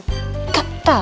gak tau gue siapa